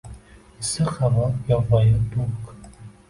Issiq havo yovvoyi, bo’g’iq